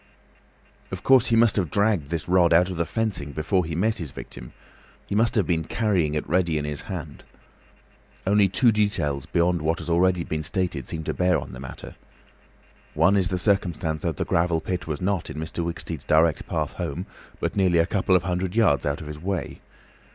Of course, he must have dragged this rod out of the fencing before he met his victim—he must have been carrying it ready in his hand. Only two details beyond what has already been stated seem to bear on the matter. One is the circumstance that the gravel pit was not in Mr. Wicksteed's direct path home, but nearly a couple of hundred yards out of his way.